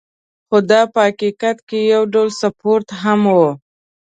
خو دا په حقیقت کې یو ډول سپورت هم و.